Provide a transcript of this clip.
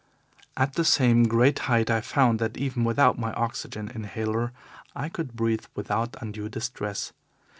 At the same great height I found that even without my oxygen inhaler I could breathe without undue distress.